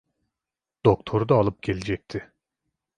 Doktoru da alıp gelecekti.